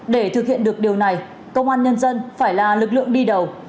để thực hiện được điều này công an nhân dân phải là lực lượng đi đầu